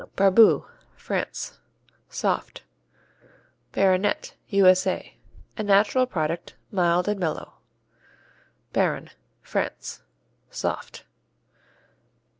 Barboux France Soft. Baronet U.S.A. A natural product, mild and mellow. Barron France Soft.